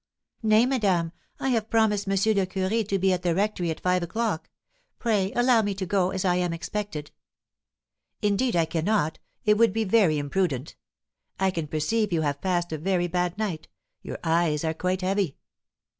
"Nay, madame, I have promised M. le Curé to be at the rectory at five o'clock; pray allow me to go, as I am expected." "Indeed I cannot, it would be very imprudent; I can perceive you have passed a very bad night, your eyes are quite heavy."